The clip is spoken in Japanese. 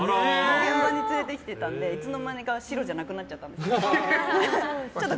現場に連れてきてたのでいつの間にか白じゃなくなっちゃったんです。